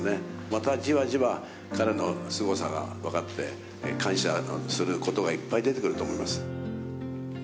またじわじわ、彼のすごさが分かって、感謝することがいっぱい出てくると思います。